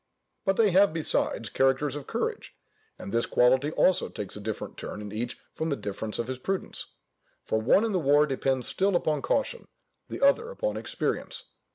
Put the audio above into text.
But they have, besides, characters of courage; and this quality also takes a different turn in each from the difference of his prudence; for one in the war depends still upon caution, the other upon experience.